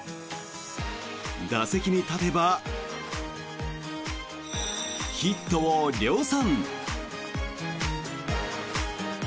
打席に立てばヒットを量産。